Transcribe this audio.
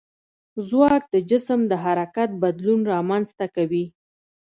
ځواک د جسم د حرکت بدلون رامنځته کوي.